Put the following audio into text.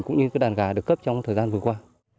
cũng như đàn gà được cấp trong thời gian vừa qua